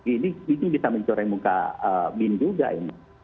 ini itu bisa mencoreng muka bin juga ini